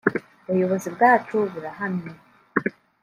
ubuyobozi bwacu burahamye